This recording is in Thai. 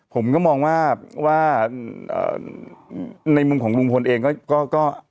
ผมก็มองว่าในมุมของลุงพลเองก็